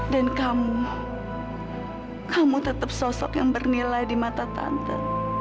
dan kamu kamu tetap sosok yang bernilai di mata tante